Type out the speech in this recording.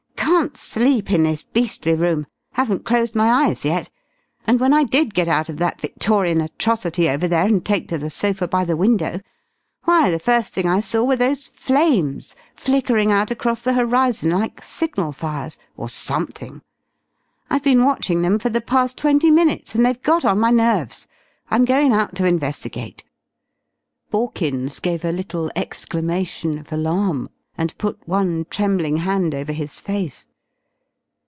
Can't sleep in this beastly room haven't closed my eyes yet and when I did get out of that Victorian atrocity over there and take to the sofa by the window, why, the first thing I saw were those flames flickering out across the horizon like signal fires, or something! I've been watching them for the past twenty minutes and they've got on my nerves. I'm goin' out to investigate." Borkins gave a little exclamation of alarm and put one trembling hand over his face.